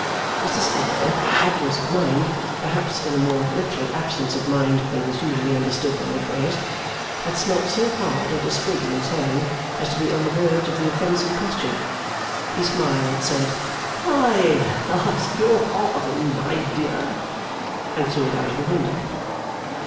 Mr Sparkler, in absence of mind perhaps in a more literal absence of mind than is usually understood by the phrase had smelt so hard at a sprig in his hand as to be on the verge of the offence in question. He smiled, said, 'I ask your pardon, my dear,' and threw it out of window.